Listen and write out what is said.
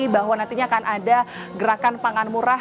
bahwa nantinya akan ada gerakan pangan murah